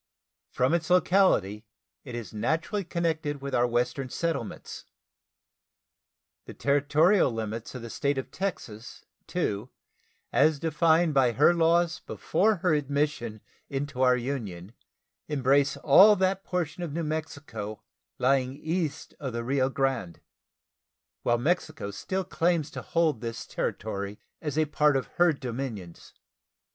From its locality it is naturally connected with our Western settlements. The territorial limits of the State of Texas, too, as defined by her laws before her admission into our Union, embrace all that portion of New Mexico lying east of the Rio Grande, while Mexico still claims to hold this territory as a part of her dominions.